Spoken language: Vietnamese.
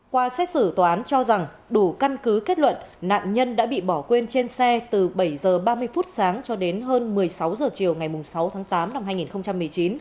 qua xét xử tòa án cho rằng đủ căn cứ kết luận nạn nhân đã bị bỏ quên trên xe từ bảy h ba mươi phút sáng cho đến hơn một mươi sáu h chiều ngày sáu tháng tám năm hai nghìn một mươi chín